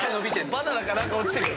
バナナか何か落ちてくる？